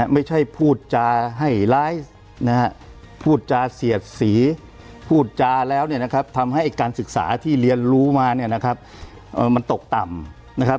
ไม่ใช่พูดจาให้ร้ายพูดจาเสียสีพูดจาแล้วทำให้การศึกษาที่เรียนรู้มามันตกต่ำ